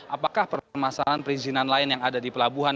apakah permasalahan perizinan lain yang ada di pelabuhan